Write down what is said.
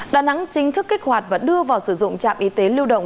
đà nẵng chính thức kích hoạt và đưa vào sử dụng trạm y tế lưu động